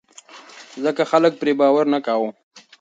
ځکه خلک پرې باور نه کاوه.